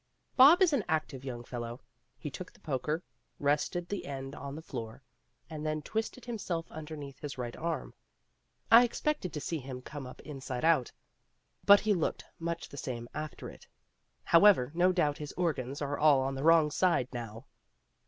Bob is an active young fellow. He took the poker, rested the end on the floor, and then twisted himself underneath his right arm. I expected to see him come up inside out, but he looked much the same after it. However, no doubt his organs are all on the wrong side now.